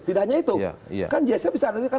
tidak hanya itu kan jasnya bisa